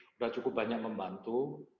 sudah cukup banyak membantu